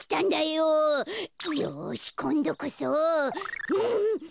よしこんどこそ。